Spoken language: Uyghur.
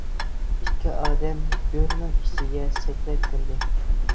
ئىككى ئادەم گۆرنىڭ ئىچىگە سەكرەپ كىردى.